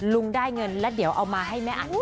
ลุงได้เงินแล้วเดี๋ยวเอามาให้แม่อัด